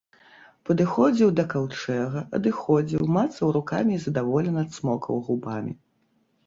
Падыходзіў да каўчэга, адыходзіў, мацаў рукамі і задаволена цмокаў губамі.